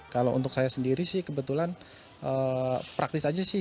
kalau untuk saya sendiri sih kebetulan praktis aja sih